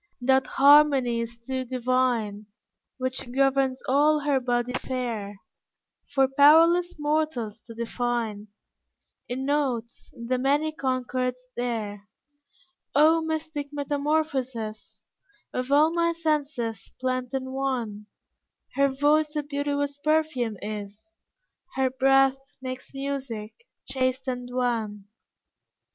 That harmony is too divine, Which governs all her body fair, For powerless mortals to define In notes the many concords there. O mystic metamorphosis Of all my senses blent in one! Her voice a beauteous perfume is, Her breath makes music, chaste and wan.